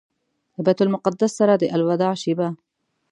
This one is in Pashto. له بیت المقدس سره د الوداع شېبه.